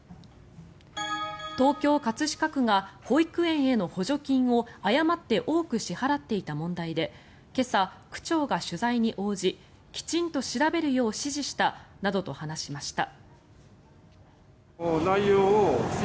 東京・葛飾区が保育園への補助金を誤って多く支払っていた問題で今朝、区長が取材に応じきちんと調べるよう指示したなどと話しました。